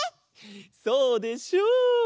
そうでしょう。